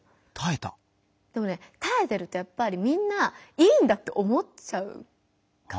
でもねたえてるとやっぱりみんな「いいんだ」って思っちゃうから。